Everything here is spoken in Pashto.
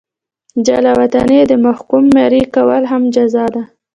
جلا وطني او د محکوم مریي کول هم جزا ده.